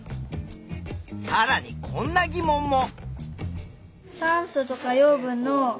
さらにこんな疑問も！